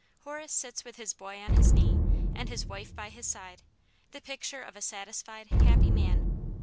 Horace sits with his boy on his knee, and his wife by his side, the picture of a satisfied, happy man.